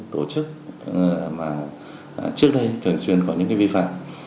tổ chức mà trước đây thường xuyên có những vi phạm